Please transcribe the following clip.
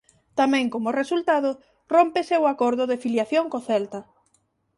Tamén como resultado rómpese o acordo de filiación co Celta.